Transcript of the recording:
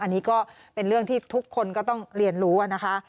อันนี้ก็เป็นเรื่องที่ทุกคนก็ต้องเรียนรู้นะคะ